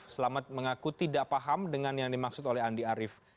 selamat mengaku tidak paham dengan yang dimaksud oleh andi arief